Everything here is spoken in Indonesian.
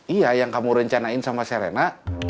iya yang kamu rencanain sama serena